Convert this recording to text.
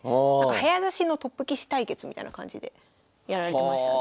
早指しのトップ棋士対決みたいな感じでやられてましたね。